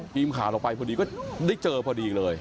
กิ้มขาลออกไปพอดีก็ได้เจอพอดีเลย